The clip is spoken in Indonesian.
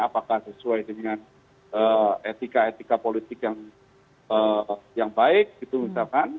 apakah sesuai dengan etika etika politik yang baik gitu misalkan